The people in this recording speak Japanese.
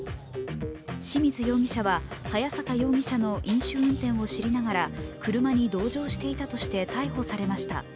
清水容疑者は早坂容疑者の飲酒運転を知りながら車に同乗していたとして逮捕されました。